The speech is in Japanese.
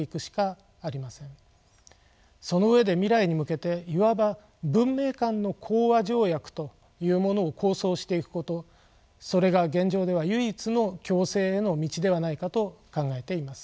その上で未来に向けていわば「文明間の講和条約」というものを構想していくことそれが現状では唯一の共生への道ではないかと考えています。